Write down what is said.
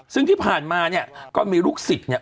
ซึ่งที่ผ่านมาเนี่ยก็มีลูกศิษย์เนี่ย